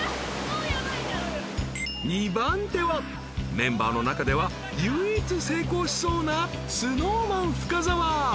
［メンバーの中では唯一成功しそうなＳｎｏｗＭａｎ深澤］